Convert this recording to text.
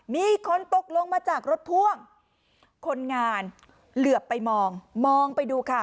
มีคนตกลงมาจากรถพ่วงคนงานเหลือบไปมองมองไปดูค่ะ